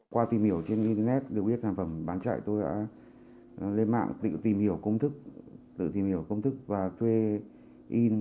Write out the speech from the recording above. qua tìm hiểu trên internet đều biết sản phẩm bán chạy tôi đã lên mạng tự tìm hiểu công thức và thuê in